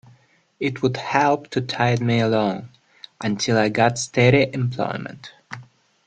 It would help to tide me along until I got steady employment.